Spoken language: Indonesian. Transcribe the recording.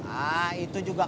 ah itu juga kok